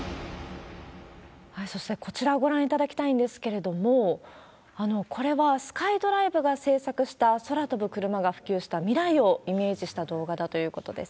そして、こちらをご覧いただきたいんですけれども、これは、スカイドライブが製作した、空飛ぶクルマが普及した未来をイメージした動画だということです。